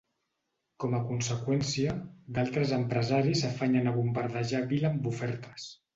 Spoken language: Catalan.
Com a conseqüència, d'altres empresaris s'afanyen a bombardejar Bill amb ofertes.